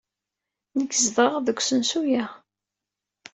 Nekk zedɣeɣ deg usensu-a.